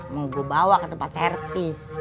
mau gua bawa ke tempat servis